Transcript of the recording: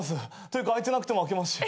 というか空いてなくても空けますし。